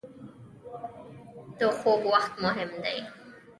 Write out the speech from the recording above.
• د خوب وخت مهم دی.